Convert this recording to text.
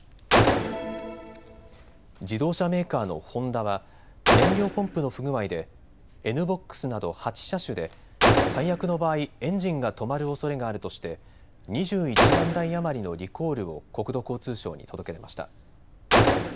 自動車メーカーのホンダは燃料ポンプの不具合でＮ−ＢＯＸなど８車種で最悪の場合、エンジンが止まるおそれがあるとして２１万台余りのリコールを国土交通省に届け出ました。